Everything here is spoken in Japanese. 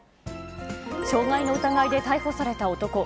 傷害の疑いで逮捕された男。